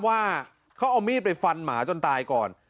ว่าเขาเอามีดไปฟันหมาจนตายก่อน